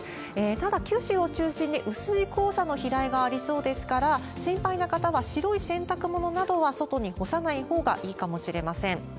ただ、九州を中心に、薄い黄砂の飛来がありそうですから、心配な方は白い洗濯物などは外に干さないほうがいいかもしれません。